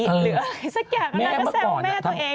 เหลืออะไรสักอย่างแล้วแม่ก็แซวแม่ตัวเอง